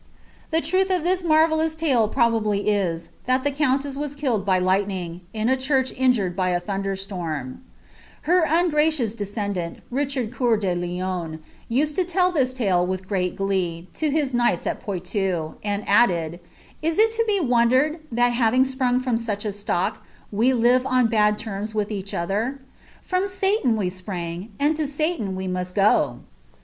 B truth of lliia marvelloils tale probably ta, that the countess was tbv lightning, in a church injured by a iJ] under storm. W angraeions dcscenduit, Richard Cisur de Lion, used to tell this t glee, to his ktiiirhls at Poiiou. and added, " Is it to be iili rcd, that having sprung from such a stock, we live on bad terras i nch other ? From Satan we sprang, and to Satan we must go."